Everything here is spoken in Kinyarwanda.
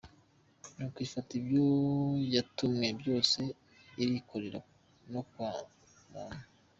Nuko ifata ibyo yatumwe byose irikorera no kwa wa muntu.